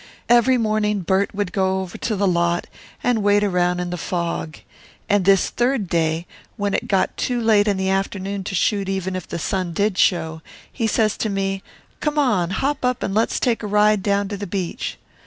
Every morning Bert would go over to the lot and wait around in the fog. And this third day, when it got too late in the afternoon to shoot even if the sun did show, he says to me, 'c'mon, hop up and let's take a ride down to the beach.